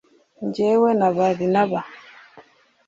jyewe na Barinaba